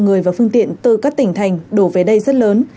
người và phương tiện từ các tỉnh thành đổ về đây rất lớn